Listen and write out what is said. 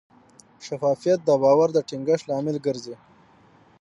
شفافیت د باور د ټینګښت لامل ګرځي.